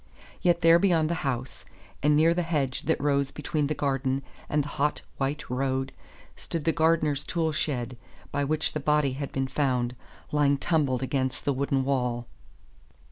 Yet there beyond the house, and near the hedge that rose between the garden and the hot, white road, stood the gardener's tool shed, by which the body had been found, lying tumbled against the wooden wall.